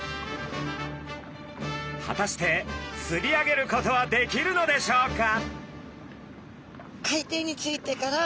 果たして釣り上げることはできるのでしょうか？